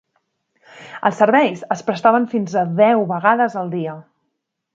Els serveis es prestaven fins a deu vegades al dia.